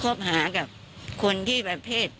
เราไปคบหากับคนที่แบบเพศ